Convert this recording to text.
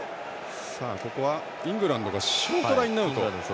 ここはイングランドがショートラインアウト。